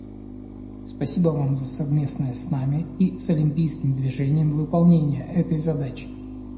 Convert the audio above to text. Спасибо вам за совместное с нами и с Олимпийским движением выполнение этой задачи.